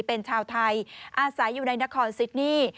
เป็นชาวไทยอาศัยอยู่ในนครซิดนี่